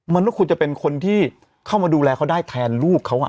มันก็ควรจะเป็นคนที่เข้ามาดูแลเขาได้แทนลูกเขา